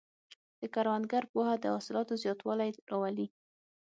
د کروندګر پوهه د حاصلاتو زیاتوالی راولي.